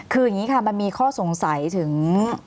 คืออย่างนี้ค่ะมันมีข้อสงสัยถึง